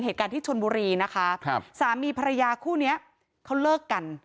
เหตุการณ์ที่ชนบุรีนะคะครับสามีภรรยาคู่เนี้ยเขาเลิกกัน